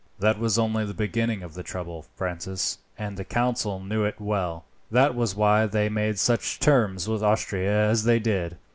"That was only the beginning of the trouble, Francis, and the council knew it well; that was why they made such terms with Austria as they did.